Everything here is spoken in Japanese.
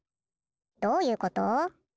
どういうこと？